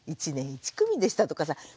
１年１組でした」とかさ